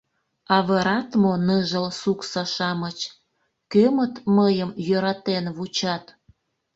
Авырат мо ныжыл суксо-шамыч, Кӧмыт мыйым йӧратен вучат…